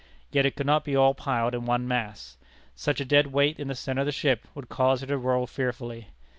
Yet it could not be all piled in one mass. Such a dead weight in the centre of the ship would cause her to roll fearfully.